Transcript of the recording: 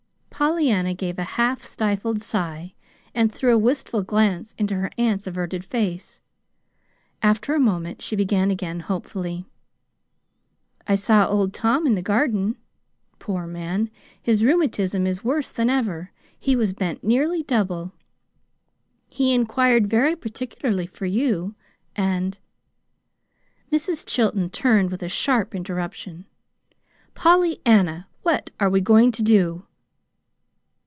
Pollyanna gave a half stifled sigh and threw a wistful glance into her aunt's averted face. After a moment she began again hopefully. "I saw Old Tom in the garden. Poor man, his rheumatism is worse than ever. He was bent nearly double. He inquired very particularly for you, and " Mrs. Chilton turned with a sharp interruption. "Pollyanna, what are we going to do?"